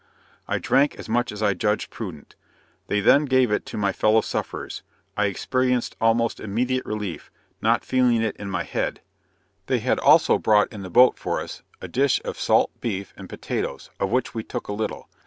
I drank as much as I judged prudent. They then gave it to my fellow sufferers I experienced almost immediate relief, not feeling it in my head; they had also brought in the boat for us, a dish of salt beef and potatoes, of which we took a little.